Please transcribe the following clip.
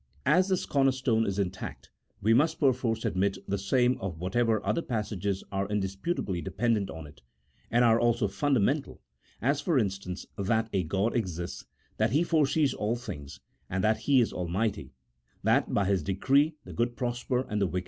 As this corner stone is intact, we must perforce admit the same of whatever other passages are indisputably depen dent on it, and are also fundamental, as, for instance, that a G od exists, that He foresees all things, that He is Al mighty, that by His decree the good prosper and the wicked CHAP.